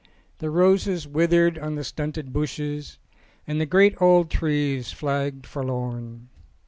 The roses withered on the stunted bushes and the great old trees flagged forlorn.